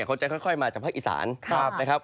เขาจะค่อยมาจากภาคอีสานนะครับ